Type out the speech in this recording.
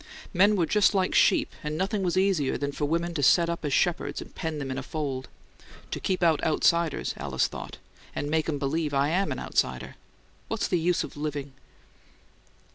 Men were just like sheep, and nothing was easier than for women to set up as shepherds and pen them in a fold. "To keep out outsiders," Alice thought. "And make 'em believe I AM an outsider. What's the use of living?"